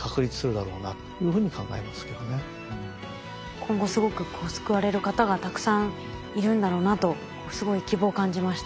今後すごく救われる方がたくさんいるんだろうなとすごい希望を感じました。